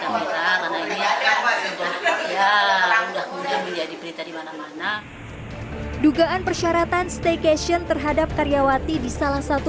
menjadi berita di mana mana dugaan persyaratan staycation terhadap karyawati di salah satu